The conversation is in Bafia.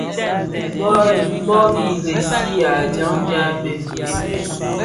Bu i resihà dyangdyag béé.